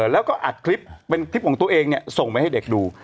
แล้วก็อัดคลิปเป็นคลิปของตัวเองส่งไปให้เด็กดู